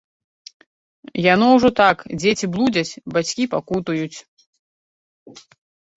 Яно ўжо так, дзеці блудзяць, бацькі пакутуюць.